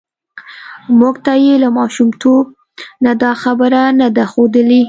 موږ ته یې له ماشومتوب نه دا خبره نه ده ښودلې